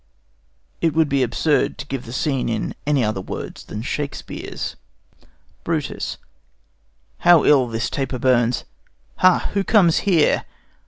It would be absurd to give the scene in any other words than Shakespeare's. BRUTUS. How ill this taper burns! Ha! who comes here?